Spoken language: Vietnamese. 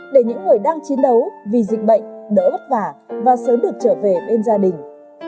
để những người đang chiến đấu vì dịch bệnh đỡ vất vả và sớm được trở về bên gia đình